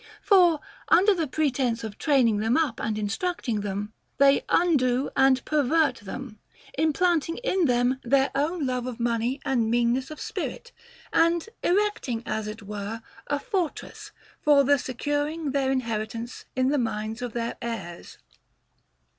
For, under the pretence of training them up and in structing them, they undo and pervert them, implanting in them their own love of money and meanness of spirit, and erecting as it were a fortress for the securing their inherit ance in the minds of their heirs.